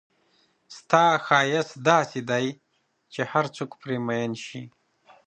ستا ښایست داسې دی چې هرڅوک به پر مئین شي.